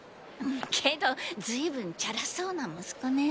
けど随分チャラそうな息子ねェ。